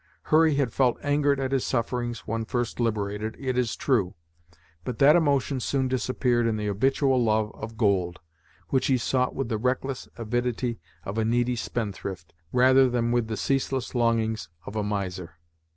Hurry had felt angered at his sufferings, when first liberated, it is true, but that emotion soon disappeared in the habitual love of gold, which he sought with the reckless avidity of a needy spendthrift, rather than with the ceaseless longings of a miser.